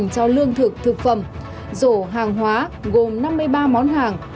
cho lương thực thực phẩm rổ hàng hóa gồm năm mươi ba món hàng